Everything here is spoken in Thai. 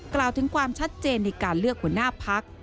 กล่าวถึงความชัดเจนในการเลือกหัวหน้าพัก